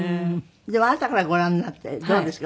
でもあなたからご覧になってどうですか？